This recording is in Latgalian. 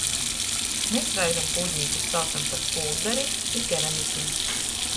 Mes reizem pūdnīkus saucom par pūddarim i keramikim.